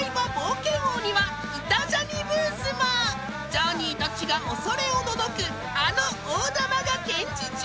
［ジャーニーたちが恐れおののくあの大玉が展示中］